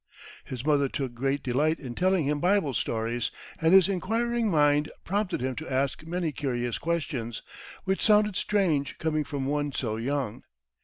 His mother took great delight in telling him Bible stories, and his inquiring mind prompted him to ask many curious questions, which sounded strange coming from one so young.